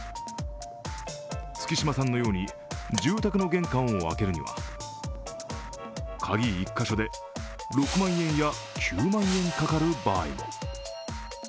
月島さんのように住宅の玄関を開けるには鍵１カ所で、６万円や９万円かかる場合も。